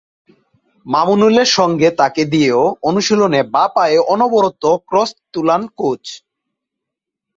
মামুনুলের সঙ্গে তাঁকে দিয়েও অনুশীলনে বাঁ পায়ে অনবরত ক্রস তোলান কোচ।